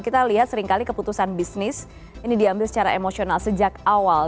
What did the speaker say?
kita lihat seringkali keputusan bisnis ini diambil secara emosional sejak awal